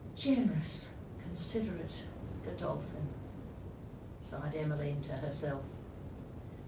'Generous, considerate Godolphin!' sighed Emmeline to herself.